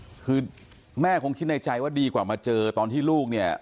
คือแม่คงคิดในใจว่าดีกว่ามาเจอตอนที่ลูกเนี่ย